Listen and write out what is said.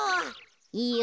いいよ。